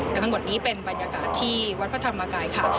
และทั้งหมดนี้เป็นบรรยากาศที่วัดพระธรรมกายค่ะ